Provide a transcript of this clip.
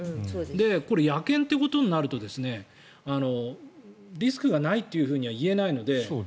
これ、野犬ということになるとリスクがないとは言えないので。